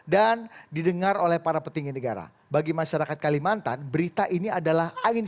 dan didengar oleh para petinggi negara bagi masyarakat kalimantan berita ini adalah angin